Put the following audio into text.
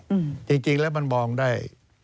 ต่ออำนาจในแง่ลายไปจริงแล้วมันมองได้